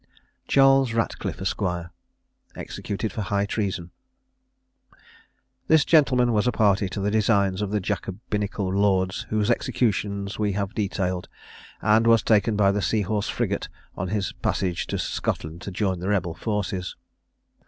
CHARLES RATCLIFFE, ESQ. EXECUTED FOR HIGH TREASON. This gentleman was a party to the designs of the Jacobinical lords whose execution we have detailed, and was taken by the Sea horse frigate on his passage to Scotland to join the rebel forces.